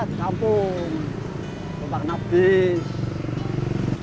ikut teman baru saya saya lompat sepeda di kampung